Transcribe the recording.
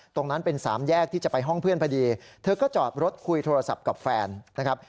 ตรงนั้นเป็นสามแยกที่จะไปห้องเพื่อนพอดีเธอก็จอดรถคุยโทรศัพท์กับแฟนนะครับ